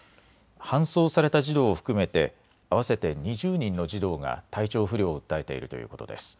搬送された児童を含めて合わせて２０人の児童が体調不良を訴えているということです。